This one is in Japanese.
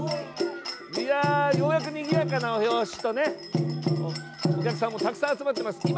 ようやく、にぎやかなお囃子とお客さんもたくさん集まっています。